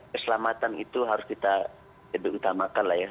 keselamatan itu harus kita lebih utamakan lah ya